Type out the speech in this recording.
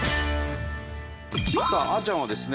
さああちゃんはですね